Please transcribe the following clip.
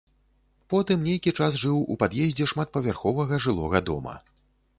Потым нейкі час жыў у пад'ездзе шматпавярховага жылога дома.